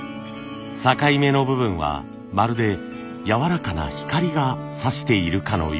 境目の部分はまるでやわらかな光がさしているかのよう。